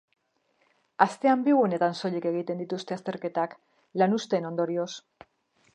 Astean bi egunetan soilik egiten dituzte azterketak, lanuzteen ondorioz.